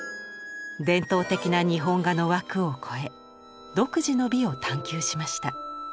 伝統的な日本画の枠を超え独自の美を探求しました。